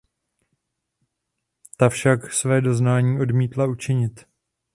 Ta však své doznání odmítla učinit.